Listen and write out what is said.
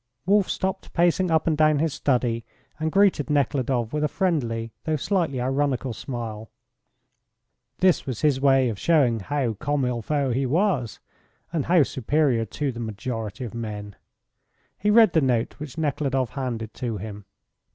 Wolf stopped pacing up and down his study, and greeted Nekhludoff with a friendly though slightly ironical smile. This was his way of showing how comme il faut he was, and how superior to the majority of men. He read the note which Nekhludoff handed to him.